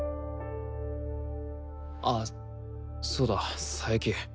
あっそうだ佐伯。